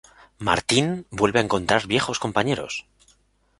Martin vuelve a encontrar viejos compañeros.